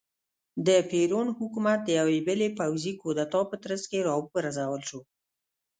د پېرون حکومت د یوې بلې پوځي کودتا په ترڅ کې را وپرځول شو.